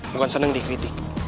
bukan seneng dikritik